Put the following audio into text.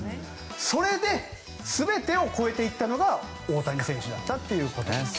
それで、全てを超えていったのが大谷選手だったということです。